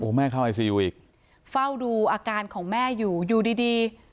แม่เข้าไอซียูอีกเฝ้าดูอาการของแม่อยู่อยู่ดีดี